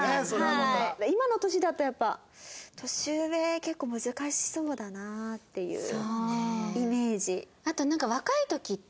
今の年だとやっぱ年上結構難しそうだなっていうイメージ。